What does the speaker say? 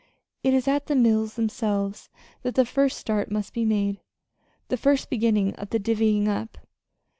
It is at the mills themselves that the first start must be made the first beginning of the 'divvying up.'